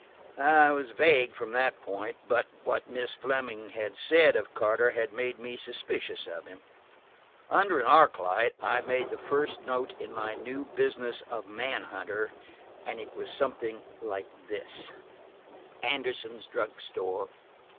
I was vague from that point, but what Miss Fleming had said of Carter had made me suspicious of him. Under an arc light I made the first note in my new business of manhunter and it was something like this: Anderson's drug store.